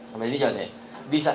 sampai sini jelas ya